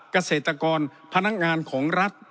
เกษตรกรพนักงานของรัฐ